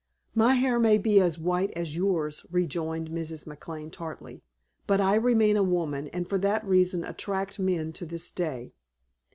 "My hair may be as white as yours," rejoined Mrs. McLane tartly. "But I remain a woman, and for that reason attract men to this day."